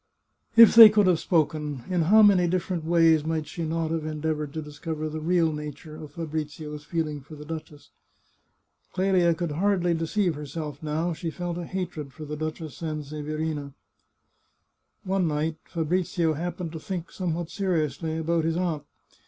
If they could have spoken, in how many different ways might she not have endeavoured to discover the real nature of Fabrizio's feeling for the duchess? Clelia could hardly deceive her self now ; she felt a hatred for the Duchess Sanseverina. One night Fabrizio happened to think somewhat seri ously about his aunt.